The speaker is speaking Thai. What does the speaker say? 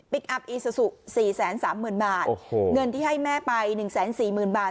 ๔๓๐๐๐๐บาทโอ้โหเงินที่ให้แม่ไป๑๔๐๐๐๐บาท